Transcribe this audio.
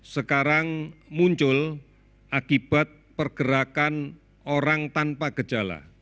sekarang muncul akibat pergerakan orang tanpa gejala